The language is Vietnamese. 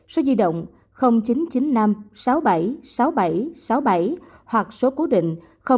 số di động chín trăm chín mươi năm sáu mươi bảy sáu mươi bảy sáu mươi bảy hoặc số cố định sáu mươi chín hai trăm ba mươi bốn hai nghìn sáu trăm linh tám